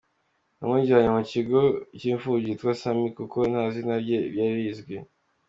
Yamujyanye mu kigo cy’imfubyi yitwa “Sammy” kuko nta zina rye ryari rizwi.